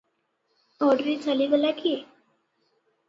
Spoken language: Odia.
ଅଡ୍ରି ଚାଲିଗଲା କି?